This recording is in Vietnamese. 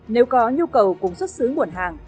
nếu có nhu cầu cùng xuất xứ muộn hàng